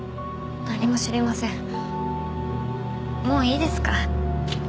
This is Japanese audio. もういいですか？